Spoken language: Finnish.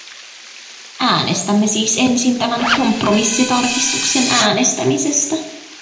Äänestämme siis ensin tämän kompromissitarkistuksen äänestämisestä.